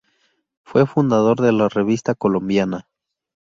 Fue fundador de la Revista Colombiana.